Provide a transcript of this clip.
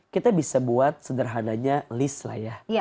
kita bisa buat sederhananya list lah ya